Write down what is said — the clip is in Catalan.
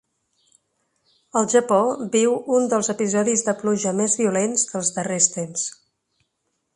El Japó viu un dels episodis de pluja més violents dels darrers temps.